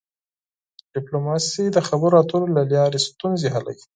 ډيپلوماسي د خبرو اترو له لارې ستونزې حلوي.